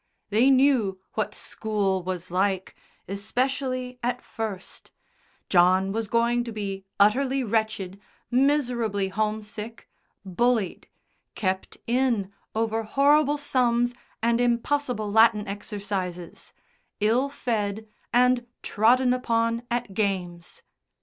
They knew what school was like, especially at first John was going to be utterly wretched, miserably homesick, bullied, kept in over horrible sums and impossible Latin exercises, ill fed, and trodden upon at games.